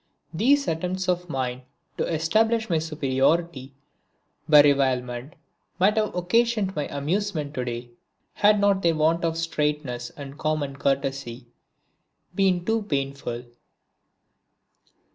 These attempts of mine to establish my superiority by revilement might have occasioned me amusement to day, had not their want of straightness and common courtesy been too painful.